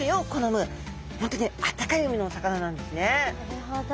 なるほど。